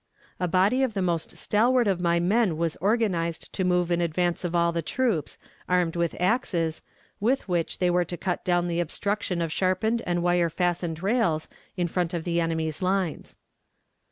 A body of the most stalwart of my men was organized to move in advance of all the troops, armed with axes, with which they were to cut down the obstruction of sharpened and wire fastened rails in front of the enemy's lines.